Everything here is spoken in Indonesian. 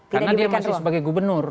karena dia masih sebagai gubernur